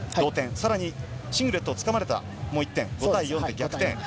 さらにシングレットを掴まれた、もう１点、５対４で逆転。